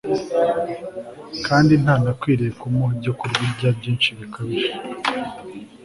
kandi ntanakwiriye kumuha ibyokurya byinshi bikabije